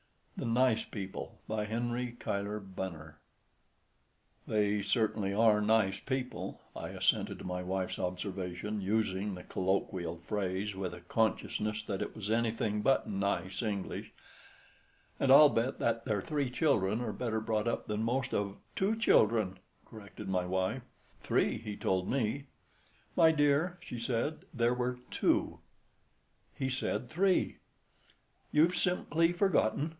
THE NICE PEOPLE By Henry Cuyler Bunner (1855–1896) "They certainly are nice people," I assented to my wife's observation, using the colloquial phrase with a consciousness that it was anything but "nice" English, "and I'll bet that their three children are better brought up than most of——" "Two children," corrected my wife. "Three, he told me." "My dear, she said there were two." "He said three." "You've simply forgotten.